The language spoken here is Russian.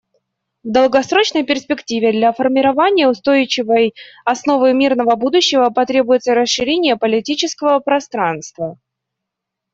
В долгосрочной перспективе для формирования устойчивой основы мирного будущего потребуется расширение политического пространства.